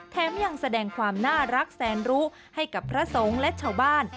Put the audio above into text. ยังแสดงความน่ารักแสนรู้ให้กับพระสงฆ์และชาวบ้าน